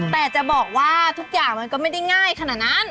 แต่จะบอกว่าทุกอย่างมันก็ไม่ได้ง่ายขนาดนั้น